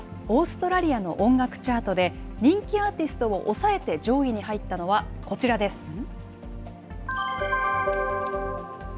オーストラリアの音楽チャートで人気アーティストを押さえて上位に入ったのはこちらです。